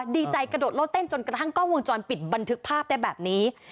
ดีใจกระโดดโลดเต้นจนกระทั่งกล้องวงจรปิดบันทึกภาพได้แบบนี้